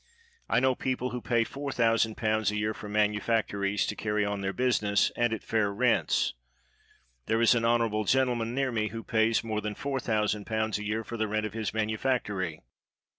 I know people who pay four thousand pounds a year for manufactories to carry on their business, and at fair rents. There is an honorable gentle man near me who pays more than four thou sand pounds a year for the rent of his manu factory.